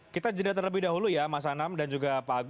kita jeda terlebih dahulu ya mas anam dan juga pak agus